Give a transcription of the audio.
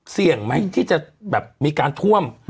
เสี่ยงไหมที่จะแบบมีการท่วม